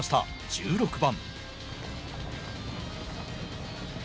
１６番。